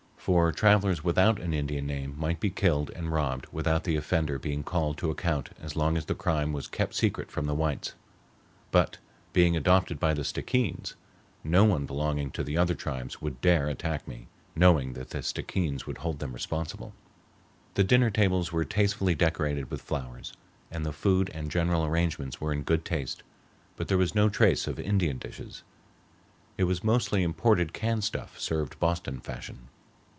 For travelers without an Indian name might be killed and robbed without the offender being called to account as long as the crime was kept secret from the whites; but, being adopted by the Stickeens, no one belonging to the other tribes would dare attack me, knowing that the Stickeens would hold them responsible. The dinner tables were tastefully decorated with flowers, and the food and general arrangements were in good taste, but there was no trace of Indian dishes. It was mostly imported canned stuff served Boston fashion.